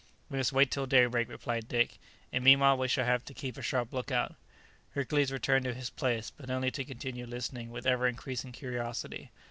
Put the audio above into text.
"We must wait till daybreak," replied Dick, "and meanwhile we shall have to keep a sharp look out." Hercules returned to his place, but only to continue listening with ever increasing curiosity.